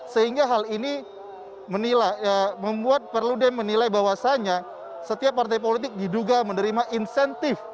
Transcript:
sehingga hal ini membuat perludem menilai bahwasannya setiap partai politik diduga menerima insentif